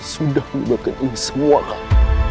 sudah memakan ini semua kak